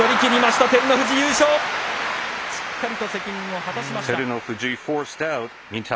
しっかりと責任を果たしました。